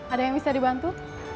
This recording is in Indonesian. ada yang bisa dibantu